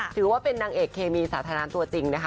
ถือว่าเป็นนางเอกเคมีสาธารณะตัวจริงนะคะ